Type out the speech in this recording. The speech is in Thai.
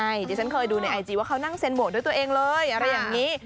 ใช่ดิฉันเคยดูในไอจีว่าเขานั่งเซ็นโวทด้วยตัวเองเลยอะไรอย่างนี้